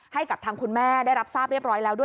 ให้กับทางคุณแม่ได้รับทราบเรียบร้อยแล้วด้วย